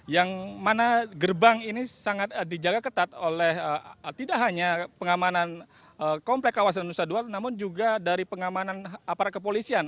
yang mana gerbang ini sangat dijaga ketat oleh tidak hanya pengamanan komplek kawasan nusa dua namun juga dari pengamanan aparat kepolisian